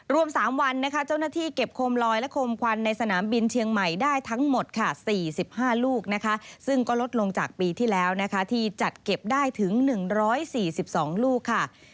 รวม๓วันนะคะเจ้าหน้าที่เก็บโคมลอยและโคมควันในสนามบินเชียงใหม่ได้ทั้งหมดค่ะ๔๕ลูกนะคะซึ่งก็ลดลงจากปีที่แล้วนะคะที่จัดเก็บได้ถึง๑๔๒ลูกค่ะ